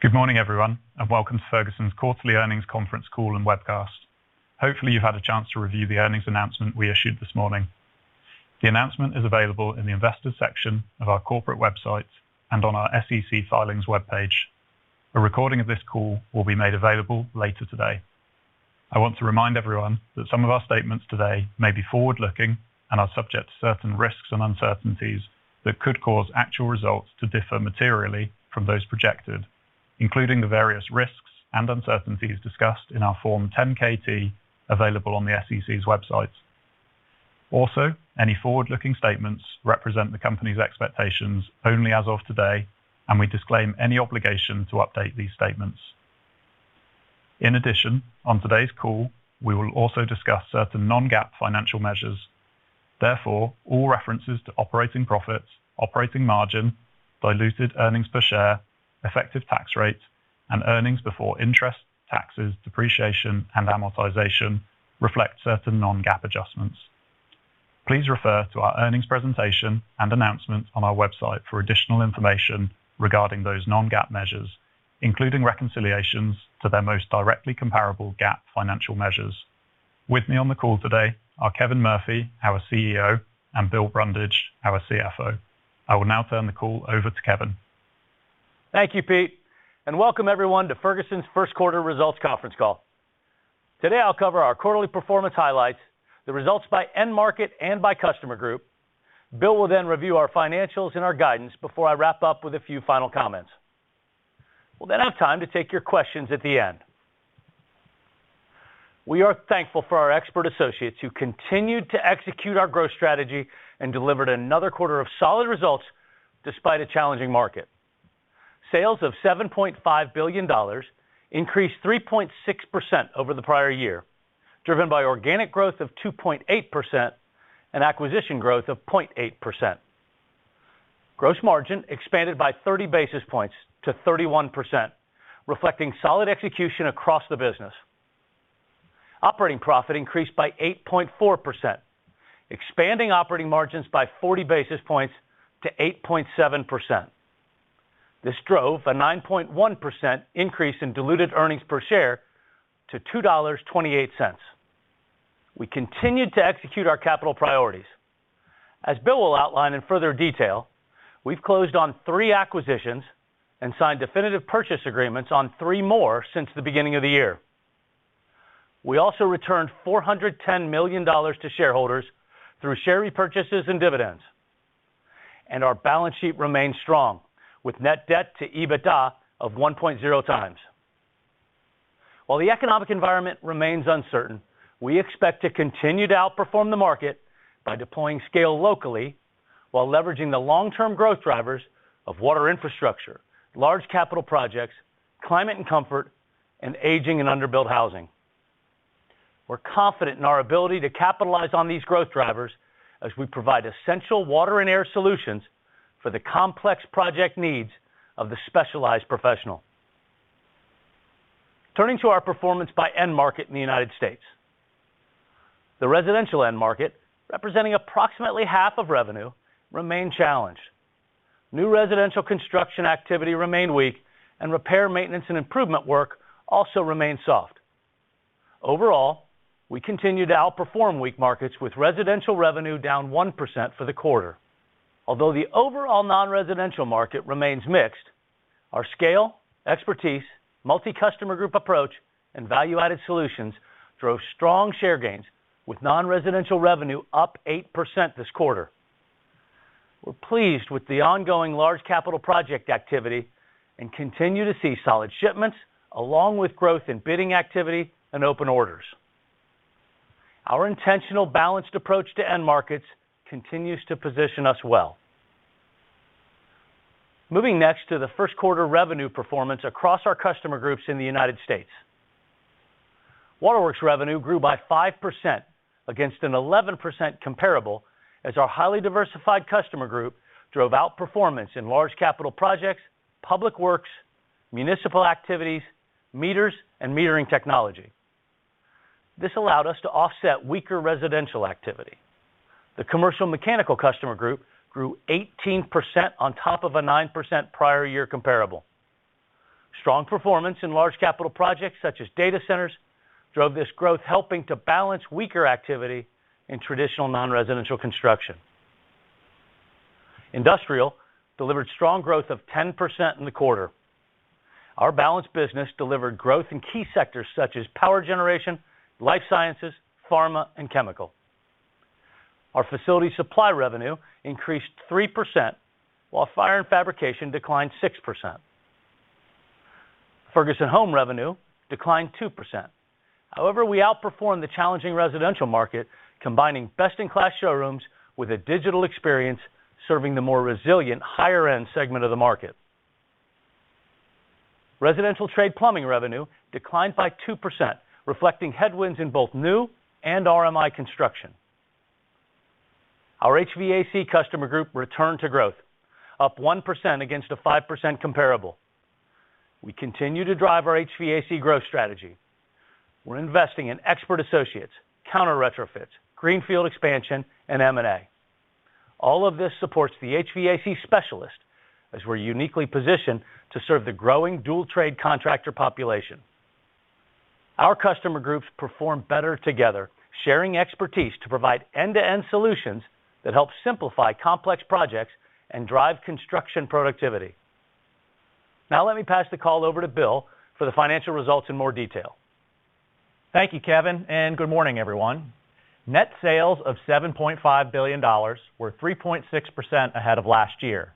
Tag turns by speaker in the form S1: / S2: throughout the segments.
S1: Good morning, everyone, and welcome to Ferguson's quarterly earnings conference call and webcast. Hopefully, you've had a chance to review the earnings announcement we issued this morning. The announcement is available in the Investors section of our corporate website and on our SEC Filings webpage. A recording of this call will be made available later today. I want to remind everyone that some of our statements today may be forward-looking and are subject to certain risks and uncertainties that could cause actual results to differ materially from those projected, including the various risks and uncertainties discussed in our Form 10-K, available on the SEC's website. Also, any forward-looking statements represent the company's expectations only as of today, and we disclaim any obligation to update these statements. In addition, on today's call, we will also discuss certain non-GAAP financial measures. Therefore, all references to operating profits, operating margin, diluted earnings per share, effective tax rate, and earnings before interest, taxes, depreciation, and amortization reflect certain non-GAAP adjustments. Please refer to our earnings presentation and announcements on our website for additional information regarding those non-GAAP measures, including reconciliations to their most directly comparable GAAP financial measures. With me on the call today are Kevin Murphy, our CEO, and Bill Brundage, our CFO. I will now turn the call over to Kevin.
S2: Thank you, Pete, and welcome everyone to Ferguson's first quarter results conference call. Today, I'll cover our quarterly performance highlights, the results by end market and by customer group. Bill will then review our financials and our guidance before I wrap up with a few final comments. We'll then have time to take your questions at the end. We are thankful for our expert associates who continued to execute our growth strategy and delivered another quarter of solid results despite a challenging market. Sales of $7.5 billion increased 3.6% over the prior year, driven by organic growth of 2.8% and acquisition growth of 0.8%. Gross margin expanded by 30 basis points to 31%, reflecting solid execution across the business. Operating profit increased by 8.4%, expanding operating margins by 40 basis points to 8.7%. This drove a 9.1% increase in diluted earnings per share to $2.28. We continued to execute our capital priorities. As Bill will outline in further detail, we've closed on three acquisitions and signed definitive purchase agreements on three more since the beginning of the year. We also returned $410 million to shareholders through share repurchases and dividends, and our balance sheet remains strong, with net debt to EBITDA of 1.0x. While the economic environment remains uncertain, we expect to continue to outperform the market by deploying scale locally while leveraging the long-term growth drivers of water infrastructure, large capital projects, climate and comfort, and aging and under-built housing. We're confident in our ability to capitalize on these growth drivers as we provide essential water and air solutions for the complex project needs of the specialized professional. Turning to our performance by end market in the United States. The residential end market, representing approximately half of revenue, remained challenged. New residential construction activity remained weak, and repair, maintenance, and improvement work also remained soft. Overall, we continue to outperform weak markets with residential revenue down 1% for the quarter. Although the overall non-residential market remains mixed, our scale, expertise, multi-customer group approach, and value-added solutions drove strong share gains, with non-residential revenue up 8% this quarter. We're pleased with the ongoing large capital project activity and continue to see solid shipments along with growth in bidding activity and open orders. Our intentional balanced approach to end markets continues to position us well. Moving next to the first quarter revenue performance across our customer groups in the U.S. Waterworks revenue grew by 5% against an 11% comparable as our highly diversified customer group drove out performance in large capital projects, public works, municipal activities, meters, and metering technology. This allowed us to offset weaker residential activity. The commercial mechanical customer group grew 18% on top of a 9% prior year comparable. Strong performance in large capital projects such as data centers drove this growth, helping to balance weaker activity in traditional non-residential construction. Industrial delivered strong growth of 10% in the quarter. Our balanced business delivered growth in key sectors such as power generation, life sciences, pharma, and chemical. Our facility supply revenue increased 3%, while fire and fabrication declined 6%. Ferguson Home revenue declined 2%. However, we outperformed the challenging residential market, combining best-in-class showrooms with a digital experience serving the more resilient higher-end segment of the market. Residential trade plumbing revenue declined by 2%, reflecting headwinds in both new and RMI construction. Our HVAC customer group returned to growth, up 1% against a 5% comparable. We continue to drive our HVAC growth strategy. We're investing in expert associates, counter retrofits, greenfield expansion, and M&A. All of this supports the HVAC specialist as we're uniquely positioned to serve the growing dual trade contractor population. Our customer groups perform better together, sharing expertise to provide end-to-end solutions that help simplify complex projects and drive construction productivity. Now let me pass the call over to Bill for the financial results in more detail.
S3: Thank you, Kevin, and good morning, everyone. Net sales of $7.5 billion were 3.6% ahead of last year,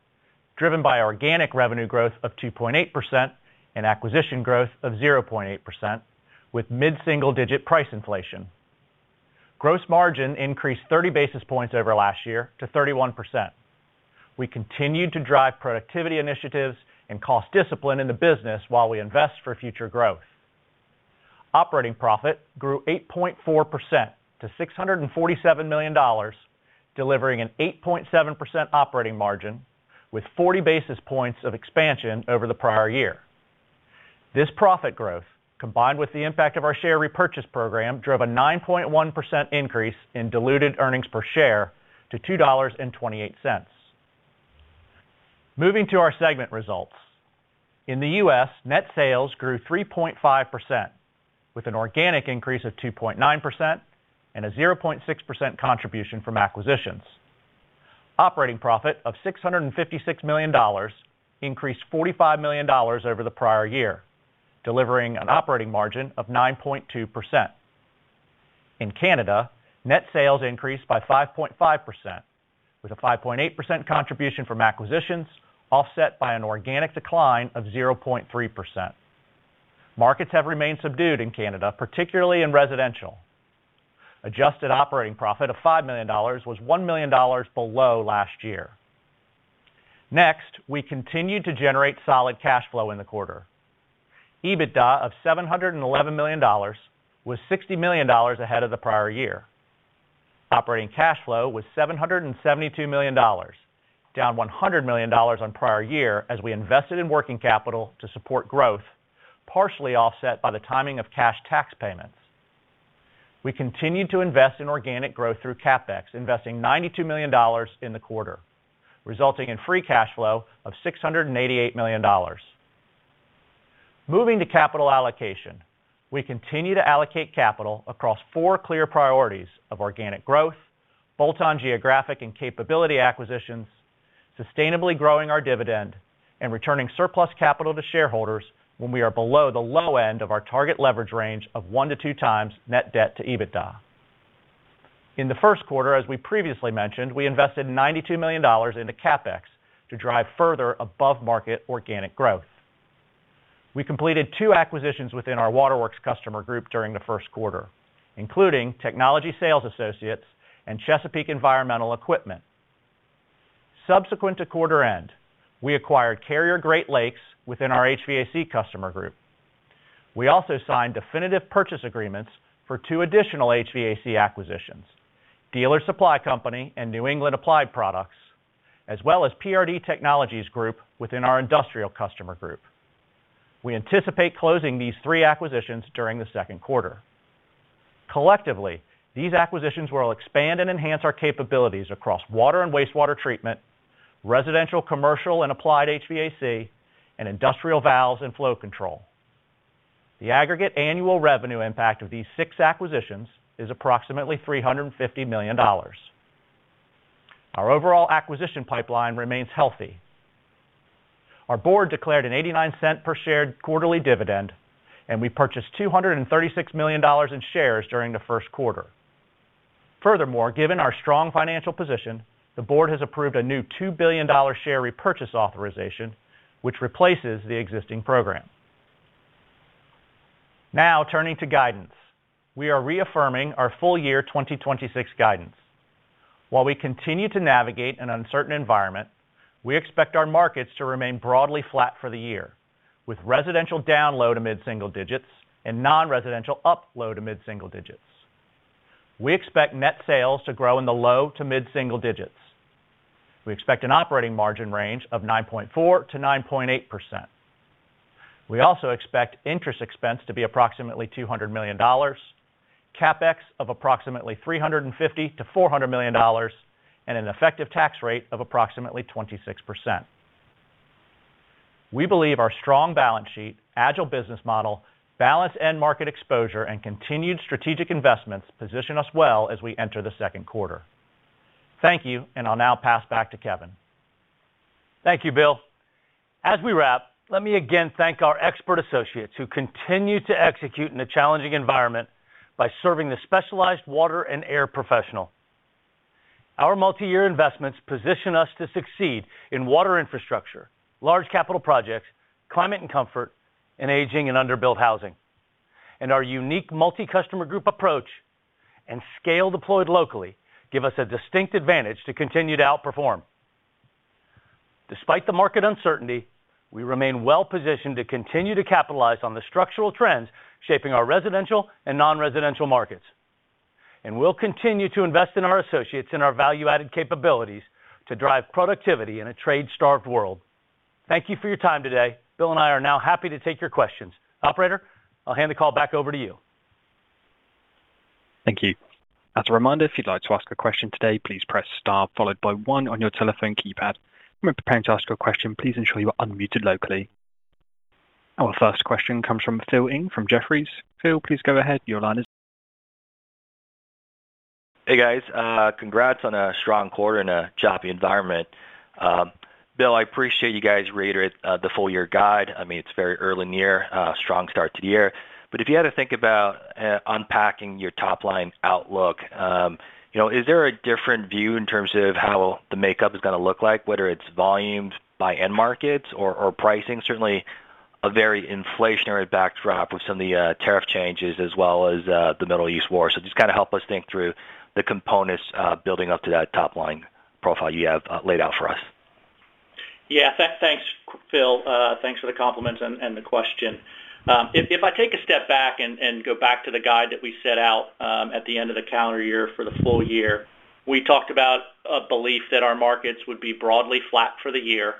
S3: driven by organic revenue growth of 2.8% and acquisition growth of 0.8%, with mid-single digit price inflation. Gross margin increased 30 basis points over last year to 31%. We continued to drive productivity initiatives and cost discipline in the business while we invest for future growth. Operating profit grew 8.4% to $647 million, delivering an 8.7% operating margin with 40 basis points of expansion over the prior year. This profit growth, combined with the impact of our share repurchase program, drove a 9.1% increase in diluted earnings per share to $2.28. Moving to our segment results. In the U.S., net sales grew 3.5%, with an organic increase of 2.9% and a 0.6% contribution from acquisitions. Operating profit of $656 million increased $45 million over the prior year, delivering an operating margin of 9.2%. In Canada, net sales increased by 5.5%, with a 5.8% contribution from acquisitions offset by an organic decline of 0.3%. Markets have remained subdued in Canada, particularly in residential. Adjusted operating profit of $5 million was $1 million below last year. We continued to generate solid cash flow in the quarter. EBITDA of $711 million was $60 million ahead of the prior year. Operating cash flow was $772 million, down $100 million on prior year as we invested in working capital to support growth, partially offset by the timing of cash tax payments. We continued to invest in organic growth through CapEx, investing $92 million in the quarter, resulting in free cash flow of $688 million. Moving to capital allocation. We continue to allocate capital across four clear priorities of organic growth, bolt-on geographic and capability acquisitions, sustainably growing our dividend, and returning surplus capital to shareholders when we are below the low end of our target leverage range of 1x-2x net debt to EBITDA. In the first quarter, as we previously mentioned, we invested $92 million into CapEx to drive further above-market organic growth. We completed two acquisitions within our Waterworks customer group during the first quarter, including Technology Sales Associates and Chesapeake Environmental Equipment. Subsequent to quarter end, we acquired Carrier Great Lakes within our HVAC customer group. We also signed definitive purchase agreements for two additional HVAC acquisitions, Dealers Supply Company and New England Applied Products, as well as PRD Technologies Group within our industrial customer group. We anticipate closing these three acquisitions during the second quarter. Collectively, these acquisitions will expand and enhance our capabilities across water and wastewater treatment, residential, commercial, and applied HVAC, and industrial valves and flow control. The aggregate annual revenue impact of these 6 acquisitions is approximately $350 million. Our overall acquisition pipeline remains healthy. Our board declared an $0.89 per shared quarterly dividend, and we purchased $236 million in shares during the first quarter. Furthermore, given our strong financial position, the board has approved a new $2 billion share repurchase authorization, which replaces the existing program. Turning to guidance. We are reaffirming our full year 2026 guidance. While we continue to navigate an uncertain environment, we expect our markets to remain broadly flat for the year, with residential down low to mid-single digits and non-residential up low to mid-single digits. We expect net sales to grow in the low to mid-single digits. We expect an operating margin range of 9.4%-9.8%. We also expect interest expense to be approximately $200 million, CapEx of approximately $350 million-$400 million, and an effective tax rate of approximately 26%. We believe our strong balance sheet, agile business model, balanced end market exposure, and continued strategic investments position us well as we enter the second quarter. Thank you. I'll now pass back to Kevin.
S2: Thank you, Bill. As we wrap, let me again thank our expert associates who continue to execute in a challenging environment by serving the specialized water and air professional. Our multi-year investments position us to succeed in water infrastructure, large capital projects, climate and comfort, and aging and under-built housing. Our unique multi-customer group approach and scale deployed locally give us a distinct advantage to continue to outperform. Despite the market uncertainty, we remain well-positioned to continue to capitalize on the structural trends shaping our residential and non-residential markets. We'll continue to invest in our associates and our value-added capabilities to drive productivity in a trade-starved world. Thank you for your time today. Bill and I are now happy to take your questions. Operator, I'll hand the call back over to you.
S1: Thank you. As a reminder, if you'd like to ask a question today, please press star followed by one on your telephone keypad. When preparing to ask your question, please ensure you are unmuted locally. Our first question comes from Phil Ng from Jefferies. Phil, please go ahead.
S4: Hey, guys. Congrats on a strong quarter in a choppy environment. Bill, I appreciate you guys reiterate the full year guide. I mean, it's very early in the year, a strong start to the year. If you had to think about unpacking your top-line outlook, you know, is there a different view in terms of how the makeup is gonna look like, whether it's volumes by end markets or pricing? Certainly a very inflationary backdrop with some of the tariff changes as well as the Middle East war. Just kinda help us think through the components building up to that top-line profile you have laid out for us.
S3: Yeah. Thanks, Phil. Thanks for the compliments and the question. If I take a step back and go back to the guide that we set out at the end of the calendar year for the full year, we talked about a belief that our markets would be broadly flat for the year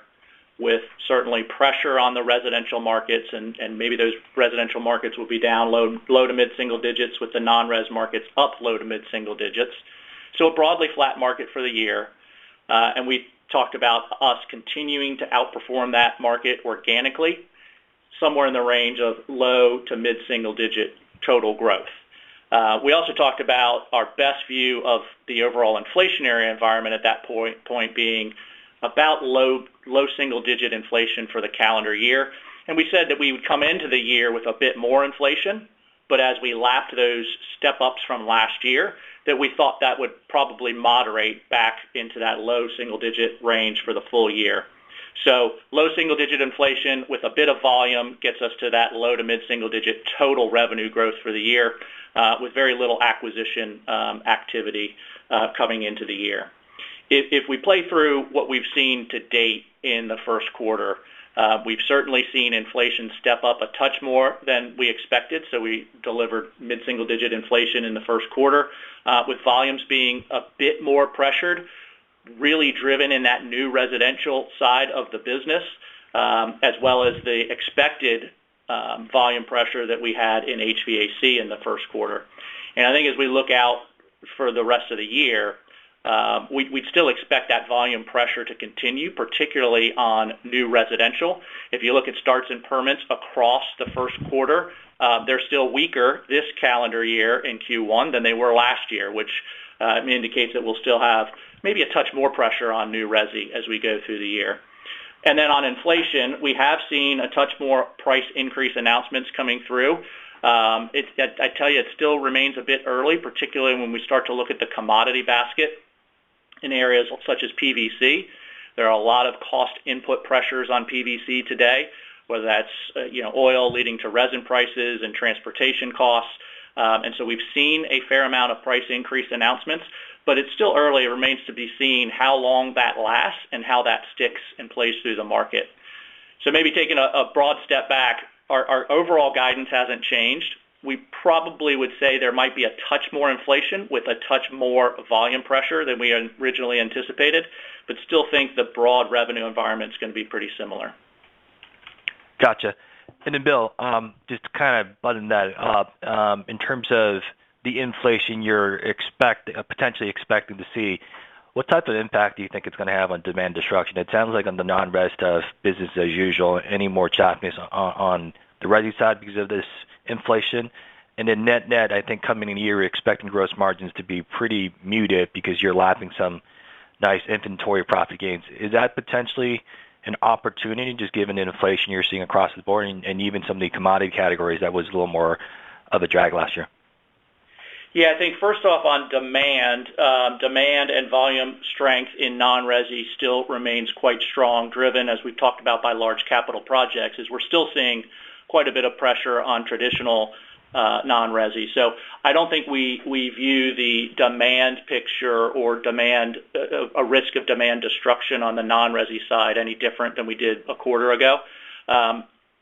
S3: with certainly pressure on the residential markets and maybe those residential markets will be down low to mid-single digits with the non-res markets up low to mid-single digits. A broadly flat market for the year. We talked about us continuing to outperform that market organically somewhere in the range of low to mid-single digit total growth. We also talked about our best view of the overall inflationary environment at that point, being about low single digit inflation for the calendar year. We said that we would come into the year with a bit more inflation, but as we lapped those step-ups from last year, that we thought that would probably moderate back into that low single digit range for the full year. Low single digit inflation with a bit of volume gets us to that low to mid-single digit total revenue growth for the year, with very little acquisition activity coming into the year. If we play through what we've seen to date in the first quarter, we've certainly seen inflation step up a touch more than we expected, so we delivered mid-single digit inflation in the first quarter, with volumes being a bit more pressured, really driven in that new residential side of the business, as well as the expected volume pressure that we had in HVAC in the first quarter. I think as we look out for the rest of the year, we'd still expect that volume pressure to continue, particularly on new residential. If you look at starts and permits across the first quarter, they're still weaker this calendar year in Q1 than they were last year, which, I mean, indicates that we'll still have maybe a touch more pressure on new resi as we go through the year. On inflation, we have seen a touch more price increase announcements coming through. It still remains a bit early, particularly when we start to look at the commodity basket in areas such as PVC. There are a lot of cost input pressures on PVC today, whether that's, you know, oil leading to resin prices and transportation costs. We've seen a fair amount of price increase announcements, but it's still early. It remains to be seen how long that lasts and how that sticks in place through the market. Maybe taking a broad step back, our overall guidance hasn't changed. We probably would say there might be a touch more inflation with a touch more volume pressure than we originally anticipated, but still think the broad revenue environment's gonna be pretty similar.
S4: Gotcha. Bill, just to kinda button that up, in terms of the inflation you're potentially expecting to see, what type of impact do you think it's gonna have on demand destruction? It sounds like on the non-res stuff, business as usual. Any more choppiness on the resi side because of this inflation? Net-net, I think coming into the year, you're expecting gross margins to be pretty muted because you're lapping some nice inventory profit gains. Is that potentially an opportunity just given the inflation you're seeing across the board and even some of the commodity categories that was a little more of a drag last year?
S3: I think first off on demand and volume strength in non-resi still remains quite strong, driven, as we've talked about, by large capital projects, as we're still seeing quite a bit of pressure on traditional non-resi. I don't think we view the demand picture or demand a risk of demand destruction on the non-resi side any different than we did a quarter ago.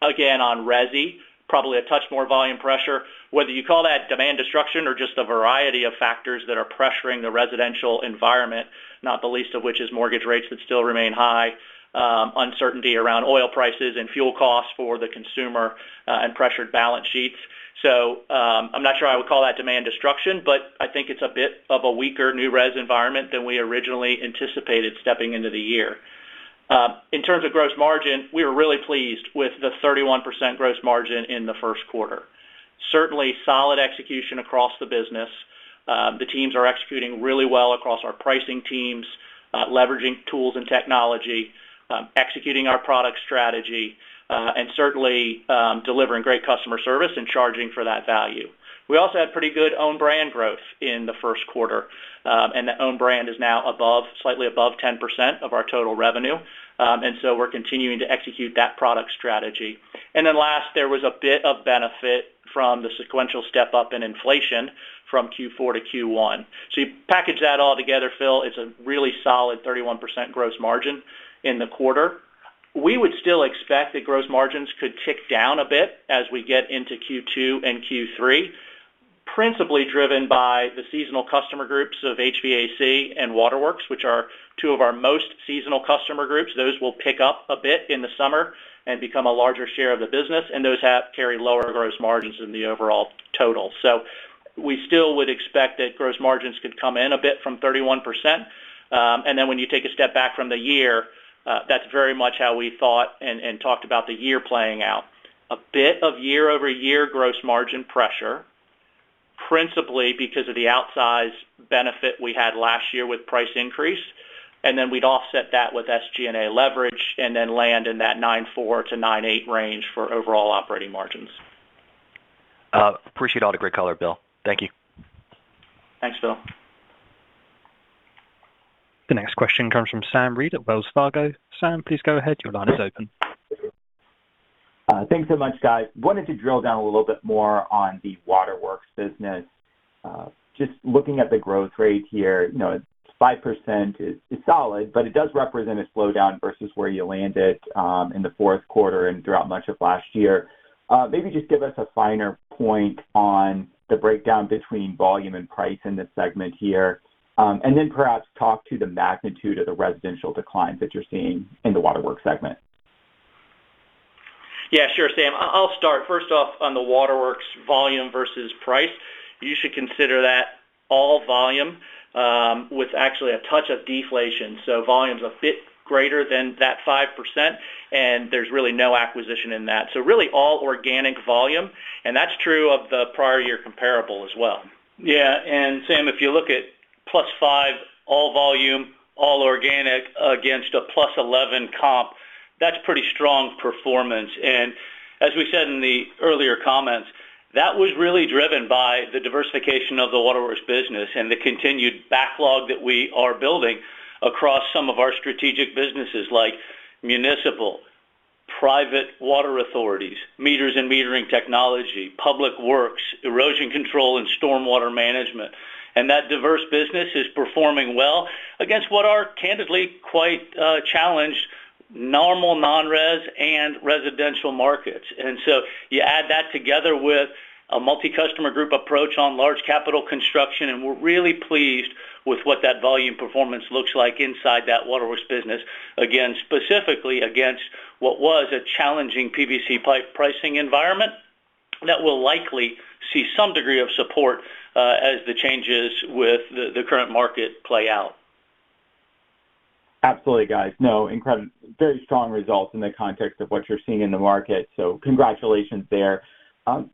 S3: Again, on resi, probably a touch more volume pressure. Whether you call that demand destruction or just a variety of factors that are pressuring the residential environment, not the least of which is mortgage rates that still remain high, uncertainty around oil prices and fuel costs for the consumer, and pressured balance sheets. I'm not sure I would call that demand destruction, but I think it's a bit of a weaker new res environment than we originally anticipated stepping into the year. In terms of gross margin, we are really pleased with the 31% gross margin in the first quarter. Certainly solid execution across the business. The teams are executing really well across our pricing teams, leveraging tools and technology, executing our product strategy, and certainly, delivering great customer service and charging for that value. We also had pretty good own brand growth in the first quarter. The own brand is now above, slightly above 10% of our total revenue. We're continuing to execute that product strategy. Last, there was a bit of benefit from the sequential step-up in inflation from Q4-Q1. You package that all together, Phil, it's a really solid 31% gross margin in the quarter. We would still expect that gross margins could tick down a bit as we get into Q2 and Q3, principally driven by the seasonal customer groups of HVAC and Waterworks, which are two of our most seasonal customer groups. Those will pick up a bit in the summer and become a larger share of the business, and those have carried lower gross margins than the overall total. We still would expect that gross margins could come in a bit from 31%. When you take a step back from the year, that's very much how we thought and talked about the year playing out. A bit of year-over-year gross margin pressure, principally because of the outsized benefit we had last year with price increase, and then we'd offset that with SG&A leverage and then land in that 9.4%-9.8% range for overall operating margins.
S4: Appreciate all the great color, Bill. Thank you.
S3: Thanks, Phil.
S1: The next question comes from Sam Reid at Wells Fargo. Sam, please go ahead. Your line is open.
S5: Thanks so much, guys. Wanted to drill down a little bit more on the Waterworks business. Just looking at the growth rate here, you know, it's 5% is solid, but it does represent a slowdown versus where you landed in the fourth quarter and throughout much of last year. Maybe just give us a finer point on the breakdown between volume and price in this segment here. Perhaps talk to the magnitude of the residential decline that you're seeing in the Waterworks segment.
S3: Yeah, sure, Sam. I'll start first off on the Waterworks volume versus price. You should consider that all volume, with actually a touch of deflation, so volume's a bit greater than that 5%, and there's really no acquisition in that. Really all organic volume, and that's true of the prior year comparable as well.
S2: Yeah. Sam, if you look at +5, all volume, all organic against a +11 comp, that's pretty strong performance. As we said in the earlier comments, that was really driven by the diversification of the Waterworks business and the continued backlog that we are building across some of our strategic businesses like municipal, private water authorities, meters and metering technology, public works, erosion control and stormwater management. That diverse business is performing well against what are candidly quite challenged normal non-res and residential markets. You add that together with a multi-customer group approach on large capital construction, and we're really pleased with what that volume performance looks like inside that Waterworks business. Again, specifically against what was a challenging PVC pipe pricing environment that will likely see some degree of support as the changes with the current market play out.
S5: Absolutely, guys. No, very strong results in the context of what you're seeing in the market. Congratulations there.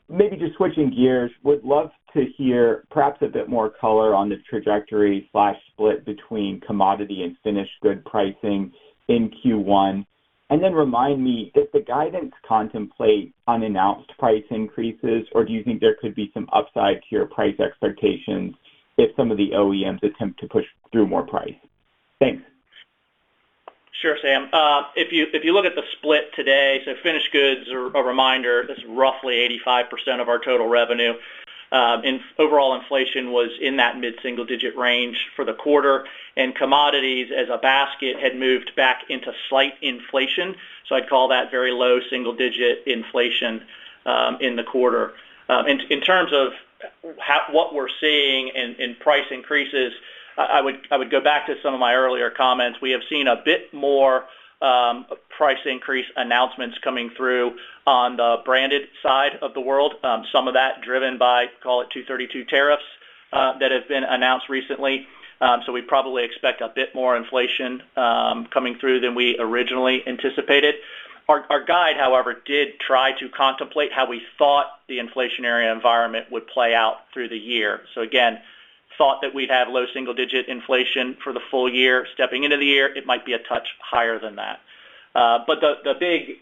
S5: Maybe just switching gears, would love to hear perhaps a bit more color on the trajectory/split between commodity and finished good pricing in Q1. Remind me, did the guidance contemplate unannounced price increases, or do you think there could be some upside to your price expectations if some of the OEMs attempt to push through more price? Thanks.
S3: Sure, Sam. If you look at the split today, finished goods are a reminder, that's roughly 85% of our total revenue. Overall inflation was in that mid-single digit range for the quarter, commodities as a basket had moved back into slight inflation. I'd call that very low single digit inflation in the quarter. In terms of what we're seeing in price increases, I would go back to some of my earlier comments. We have seen a bit more price increase announcements coming through on the branded side of the world. Some of that driven by, call it Section 232 tariffs, that have been announced recently. We probably expect a bit more inflation coming through than we originally anticipated. Our guide, however, did try to contemplate how we thought the inflationary environment would play out through the year. Again, thought that we'd have low single-digit inflation for the full year. Stepping into the year, it might be a touch higher than that. The big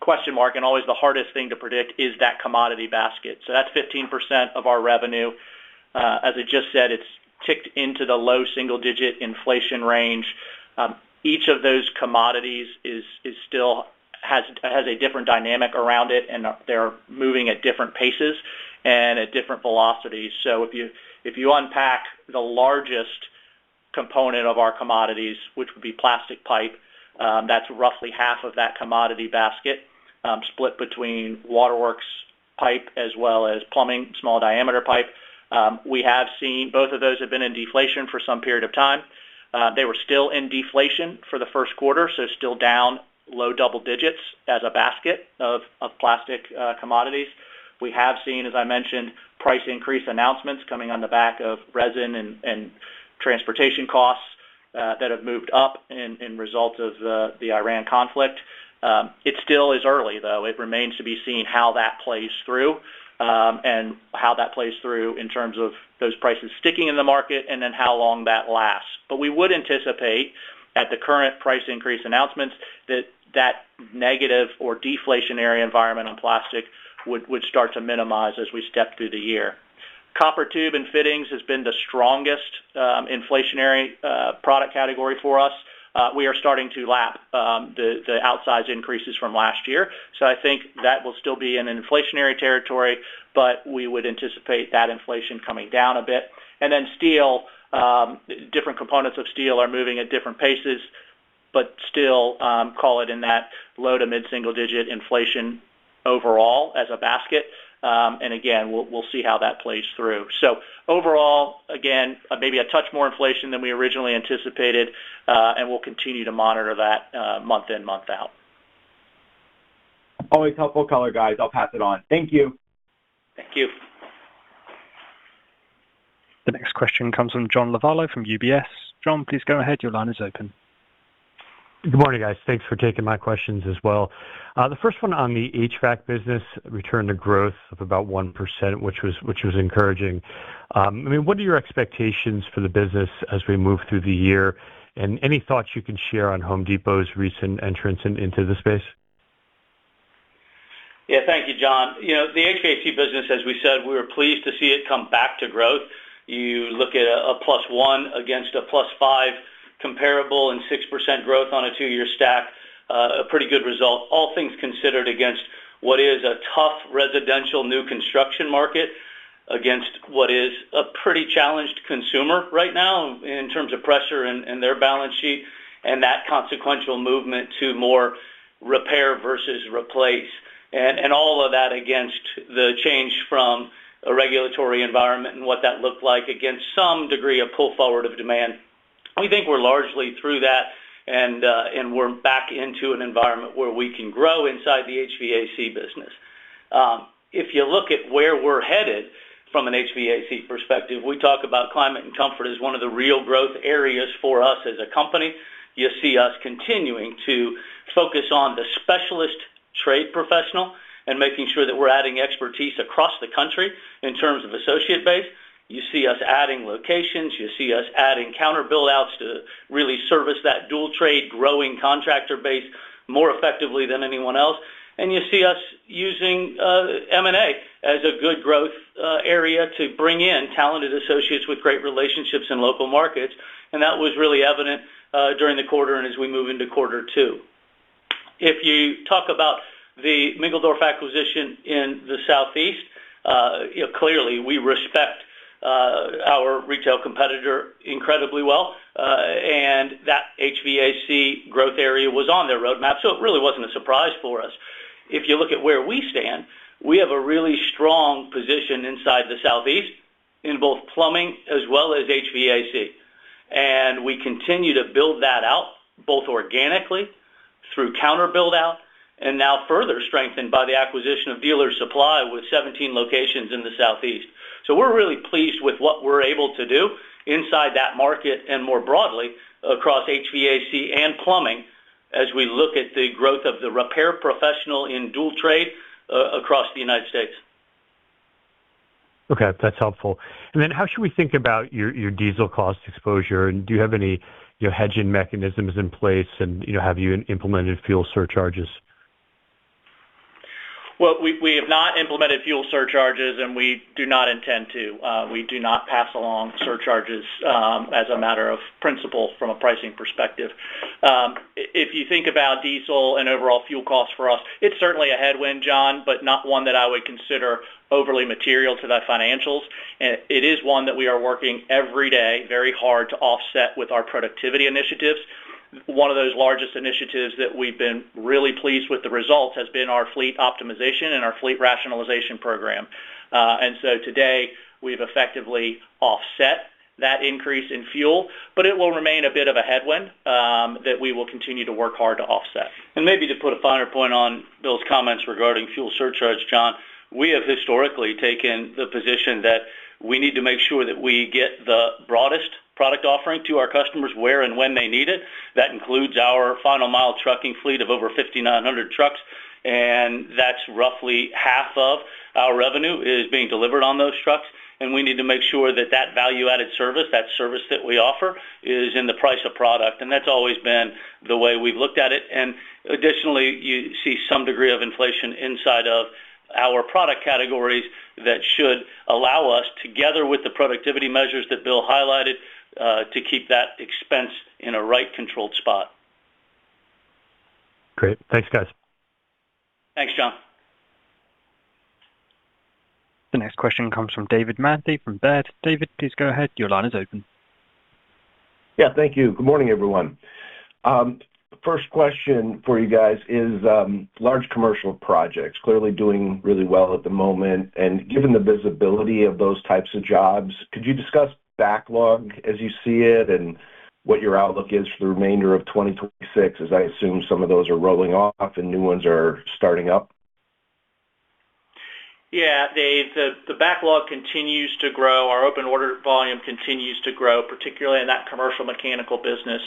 S3: question mark and always the hardest thing to predict is that commodity basket. That's 15% of our revenue. As I just said, it's ticked into the low single-digit inflation range. Each of those commodities still has a different dynamic around it, and they're moving at different paces and at different velocities. If you unpack the largest component of our commodities, which would be plastic pipe, that's roughly half of that commodity basket, split between Waterworks pipe as well as plumbing, small diameter pipe. We have seen both of those have been in deflation for some period of time. They were still in deflation for the first quarter, so still down low double digits as a basket of plastic commodities. We have seen, as I mentioned, price increase announcements coming on the back of resin and transportation costs that have moved up in result of the Iran conflict. It still is early, though. It remains to be seen how that plays through and how that plays through in terms of those prices sticking in the market and then how long that lasts. We would anticipate at the current price increase announcements that that negative or deflationary environment on plastic would start to minimize as we step through the year. Copper tube and fittings has been the strongest inflationary product category for us. We are starting to lap the outsized increases from last year. I think that will still be an inflationary territory, but we would anticipate that inflation coming down a bit. Steel, different components of steel are moving at different paces, but still, call it in that low to mid-single-digit inflation. Overall as a basket, again, we'll see how that plays through. Overall, again, maybe a touch more inflation than we originally anticipated, we'll continue to monitor that month in, month out.
S5: Always helpful color, guys. I'll pass it on. Thank you. Thank you.
S1: The next question comes from John Lovallo from UBS. John, please go ahead. Your line is open.
S6: Good morning, guys. Thanks for taking my questions as well. The first one on the HVAC business return to growth of about 1%, which was encouraging. I mean, what are your expectations for the business as we move through the year? Any thoughts you can share on The Home Depot's recent entrance into the space?
S2: Yeah. Thank you, John. You know, the HVAC business, as we said, we were pleased to see it come back to growth. You look at a +1 against a +5 comparable and 6% growth on a two-year stack, a pretty good result, all things considered against what is a tough residential new construction market against what is a pretty challenged consumer right now in terms of pressure in their balance sheet, and that consequential movement to more repair versus replace. All of that against the change from a regulatory environment and what that looked like against some degree of pull forward of demand. We think we're largely through that and we're back into an environment where we can grow inside the HVAC business. If you look at where we're headed from an HVAC perspective, we talk about climate and comfort as one of the real growth areas for us as a company. You see us continuing to focus on the specialist trade professional and making sure that we're adding expertise across the country in terms of associate base. You see us adding locations. You see us adding counter build outs to really service that dual trade growing contractor base more effectively than anyone else. You see us using M&A as a good growth area to bring in talented associates with great relationships in local markets, and that was really evident during the quarter and as we move into quarter two. If you talk about the Mingledorff acquisition in the Southeast, you know, clearly we respect our retail competitor incredibly well, and that HVAC growth area was on their roadmap, so it really wasn't a surprise for us. If you look at where we stand, we have a really strong position inside the Southeast in both plumbing as well as HVAC. We continue to build that out both organically through counter build out and now further strengthened by the acquisition of Dealers Supply with 17 locations in the Southeast. We're really pleased with what we're able to do inside that market and more broadly across HVAC and plumbing as we look at the growth of the repair professional in dual trade across the United States.
S6: Okay. That's helpful. How should we think about your diesel cost exposure? Do you have any, you know, hedging mechanisms in place and, you know, have you implemented fuel surcharges?
S3: We have not implemented fuel surcharges. We do not intend to. We do not pass along surcharges as a matter of principle from a pricing perspective. If you think about diesel and overall fuel costs for us, it's certainly a headwind, John, not one that I would consider overly material to the financials. It is one that we are working every day very hard to offset with our productivity initiatives. One of those largest initiatives that we've been really pleased with the results has been our fleet optimization and our fleet rationalization program. Today, we've effectively offset that increase in fuel. It will remain a bit of a headwind that we will continue to work hard to offset.
S2: Maybe to put a finer point on Bill's comments regarding fuel surcharge, John, we have historically taken the position that we need to make sure that we get the broadest product offering to our customers where and when they need it. That includes our final mile trucking fleet of over 5,900 trucks, that's roughly half of our revenue is being delivered on those trucks. We need to make sure that that value-added service, that service that we offer, is in the price of product, that's always been the way we've looked at it. Additionally, you see some degree of inflation inside of our product categories that should allow us, together with the productivity measures that Bill highlighted, to keep that expense in a right controlled spot.
S6: Great. Thanks, guys.
S2: Thanks, John.
S1: The next question comes from David Manthey from Baird. David, please go ahead. Your line is open.
S7: Yeah. Thank you. Good morning, everyone. First question for you guys is, large commercial projects, clearly doing really well at the moment. Given the visibility of those types of jobs, could you discuss backlog as you see it and what your outlook is for the remainder of 2026, as I assume some of those are rolling off and new ones are starting up?
S3: Yeah. Dave, the backlog continues to grow. Our open order volume continues to grow, particularly in that commercial mechanical business.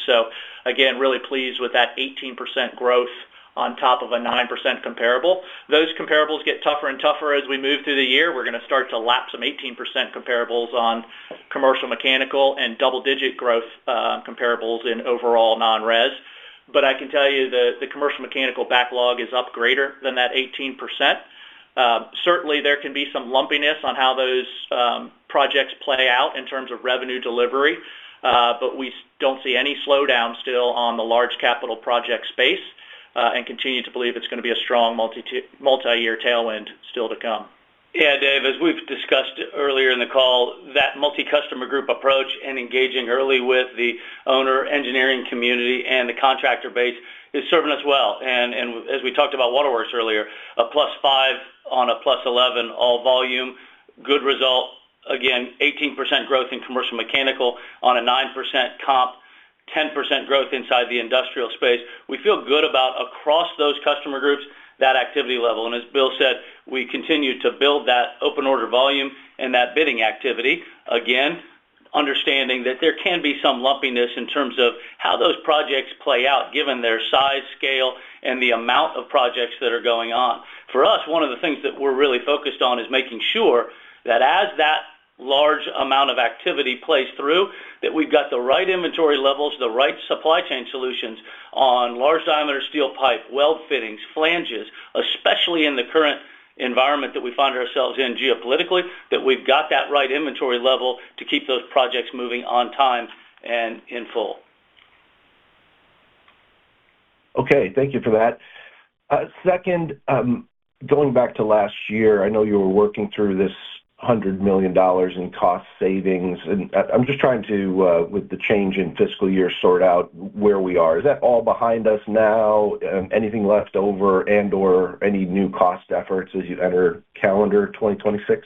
S3: Again, really pleased with that 18% growth on top of a 9% comparable. Those comparables get tougher and tougher as we move through the year. We're gonna start to lap some 18% comparables on commercial mechanical and double-digit growth comparables in overall non-res. I can tell you the commercial mechanical backlog is up greater than that 18%. Certainly, there can be some lumpiness on how those projects play out in terms of revenue delivery, but we don't see any slowdown still on the large capital project space and continue to believe it's gonna be a strong multi-year trend still to come.
S2: Yeah, Dave, as we've discussed earlier in the call, that multi-customer group approach and engaging early with the owner engineering community and the contractor base is serving us well. As we talked about Waterworks earlier, a +5 on a +11 all volume, good result. Again, 18% growth in commercial mechanical on a 9% comp, 10% growth inside the industrial space. We feel good about across those customer groups, that activity level. As Bill said, we continue to build that open order volume and that bidding activity. Again, understanding that there can be some lumpiness in terms of how those projects play out, given their size, scale, and the amount of projects that are going on. For us, one of the things that we're really focused on is making sure that as that large amount of activity plays through, that we've got the right inventory levels, the right supply chain solutions on large diameter steel pipe, weld fittings, flanges, especially in the current environment that we find ourselves in geopolitically, that we've got that right inventory level to keep those projects moving on time and in full.
S7: Okay. Thank you for that. Second, going back to last year, I know you were working through this $100 million in cost savings. I'm just trying to, with the change in fiscal year, sort out where we are. Is that all behind us now? Anything left over and/or any new cost efforts as you enter calendar 2026?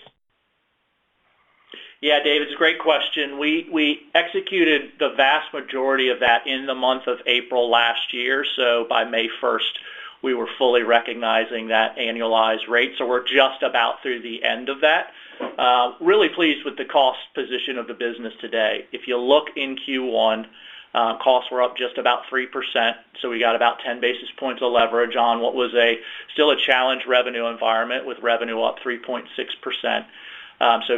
S3: Yeah, Dave, it's a great question. We executed the vast majority of that in the month of April last year. By May first, we were fully recognizing that annualized rate. We're just about through the end of that. Really pleased with the cost position of the business today. If you look in Q1, costs were up just about 3%, so we got about 10 basis points of leverage on what was a still a challenge revenue environment with revenue up 3.6%.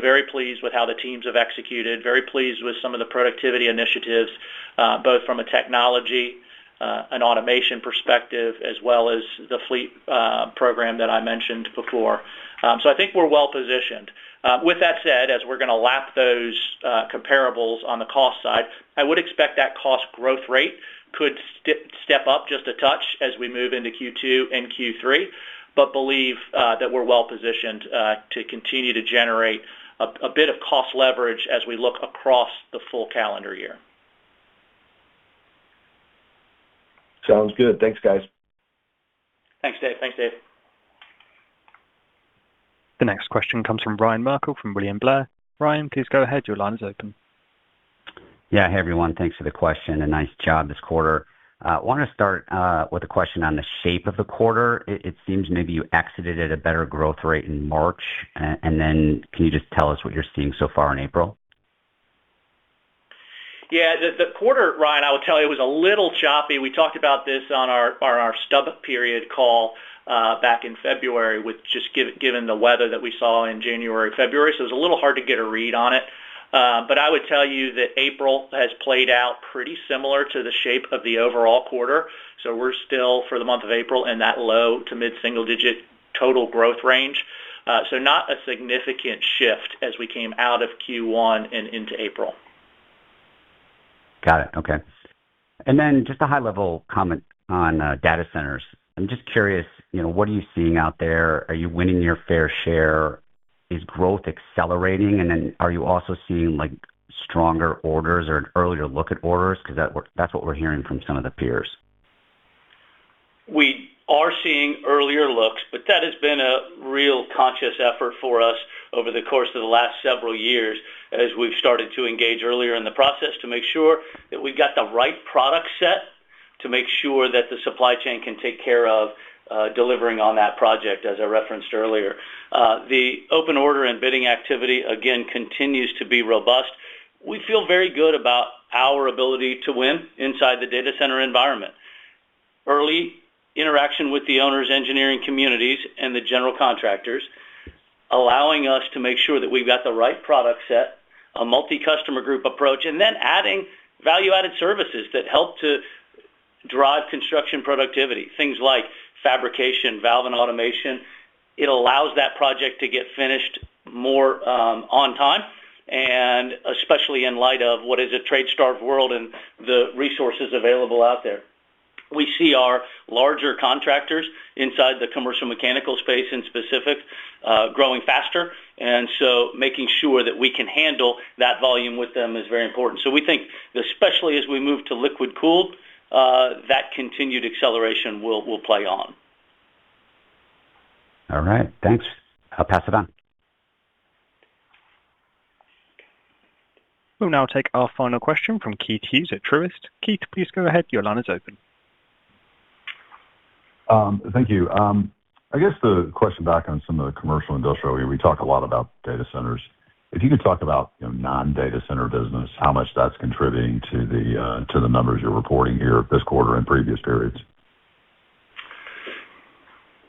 S3: Very pleased with how the teams have executed, very pleased with some of the productivity initiatives, both from a technology, an automation perspective, as well as the fleet program that I mentioned before. I think we're well-positioned. With that said, as we're gonna lap those comparables on the cost side, I would expect that cost growth rate could step up just a touch as we move into Q2 and Q3, but believe that we're well-positioned to continue to generate a bit of cost leverage as we look across the full calendar year.
S7: Sounds good. Thanks, guys.
S3: Thanks, David.
S1: The next question comes from Ryan Merkel from William Blair. Ryan, please go ahead. Your line is open.
S8: Hey, everyone. Thanks for the question and nice job this quarter. Want to start with a question on the shape of the quarter. It seems maybe you exited at a better growth rate in March. Can you just tell us what you're seeing so far in April?
S2: Yeah, the quarter, Ryan, I will tell you, it was a little choppy. We talked about this on our stub period call back in February with given the weather that we saw in January, February, it's a little hard to get a read on it. I would tell you that April has played out pretty similar to the shape of the overall quarter. We're still, for the month of April, in that low to mid-single digit total growth range. Not a significant shift as we came out of Q1 and into April.
S8: Got it. Okay. Just a high level comment on data centers. I'm just curious, you know, what are you seeing out there? Are you winning your fair share? Is growth accelerating? Are you also seeing, like, stronger orders or an earlier look at orders? 'Cause that's what we're hearing from some of the peers.
S2: We are seeing earlier looks, but that has been a real conscious effort for us over the course of the last several years as we've started to engage earlier in the process to make sure that we've got the right product set to make sure that the supply chain can take care of, delivering on that project, as I referenced earlier. The open order and bidding activity, again, continues to be robust. We feel very good about our ability to win inside the data center environment. Early interaction with the owners, engineering communities, and the general contractors, allowing us to make sure that we've got the right product set, a multi-customer group approach, and then adding value-added services that help to drive construction productivity, things like fabrication, valve and automation. It allows that project to get finished more on time, and especially in light of what is a trade-starved world and the resources available out there. We see our larger contractors inside the commercial mechanical space in specific, growing faster, and so making sure that we can handle that volume with them is very important. We think, especially as we move to liquid cooled, that continued acceleration will play on.
S8: All right. Thanks. I'll pass it on.
S1: We'll now take our final question from Keith Hughes at Truist. Keith, please go ahead. Your line is open.
S9: Thank you. I guess the question back on some of the commercial industrial here, we talk a lot about data centers. If you could talk about, you know, non-data center business, how much that's contributing to the numbers you're reporting here this quarter and previous periods.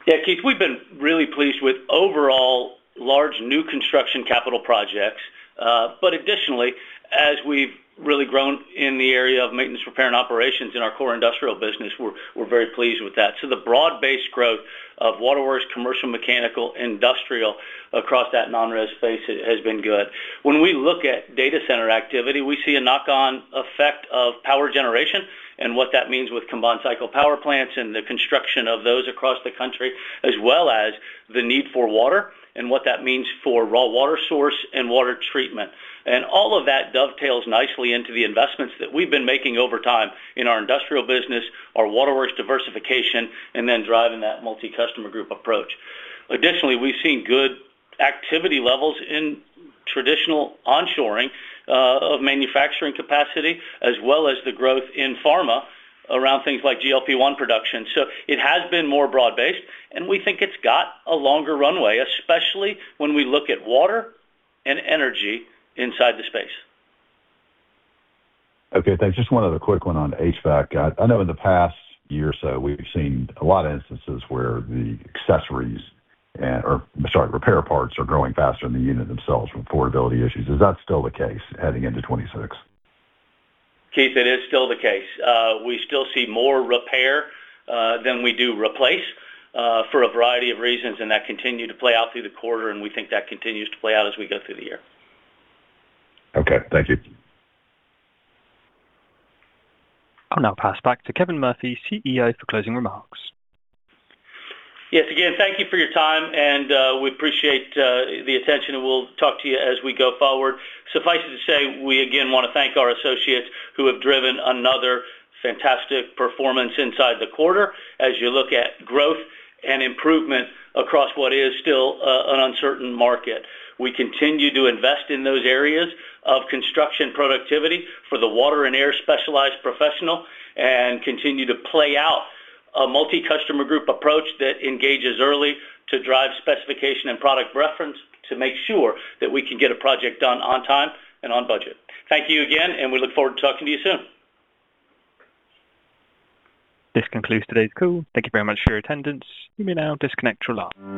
S2: Yeah, Keith, we've been really pleased with overall large new construction capital projects. But additionally, as we've really grown in the area of maintenance, repair, and operations in our core industrial business, we're very pleased with that. The broad-based growth of Waterworks commercial, mechanical, industrial across that non-res space has been good. When we look at data center activity, we see a knock-on effect of power generation and what that means with combined cycle power plants and the construction of those across the country, as well as the need for water and what that means for raw water source and water treatment. All of that dovetails nicely into the investments that we've been making over time in our industrial business, our Waterworks diversification, and then driving that multi-customer group approach. Additionally, we've seen good activity levels in traditional onshoring of manufacturing capacity, as well as the growth in pharma around things like GLP-1 production. It has been more broad-based, and we think it's got a longer runway, especially when we look at water and energy inside the space.
S9: Okay, thanks. Just one other quick one on HVAC. I know in the past year or so, we've seen a lot of instances where the accessories and or sorry, repair parts are growing faster than the unit themselves from affordability issues. Is that still the case heading into 2026?
S2: Keith, it is still the case. We still see more repair than we do replace for a variety of reasons, and that continued to play out through the quarter, and we think that continues to play out as we go through the year.
S9: Okay, thank you.
S1: I'll now pass back to Kevin Murphy, CEO, for closing remarks.
S2: Yes, again, thank you for your time, and we appreciate the attention, and we'll talk to you as we go forward. Suffice it to say, we again wanna thank our associates who have driven another fantastic performance inside the quarter as you look at growth and improvement across what is still an uncertain market. We continue to invest in those areas of construction productivity for the water and air specialized professional and continue to play out a multi-customer group approach that engages early to drive specification and product reference to make sure that we can get a project done on time and on budget. Thank you again, and we look forward to talking to you soon.
S1: This concludes today's call. Thank you very much for your attendance. You may now disconnect your lines.